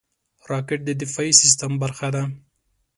راکټ د دفاعي سیستم برخه ده